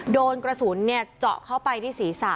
โดนกระสุนเจาะเข้าไปที่ศีรษะ